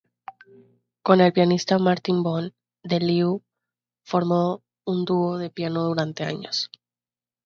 Con el pianista Maarten Bon, De Leeuw formó un dúo de piano durante años.